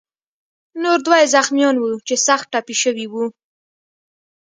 نور دوه یې زخمیان وو چې سخت ټپي شوي وو.